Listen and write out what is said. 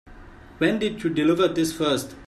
When did you deliver this first?